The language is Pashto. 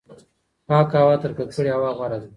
پاکه هوا تر ککړې هوا غوره ده.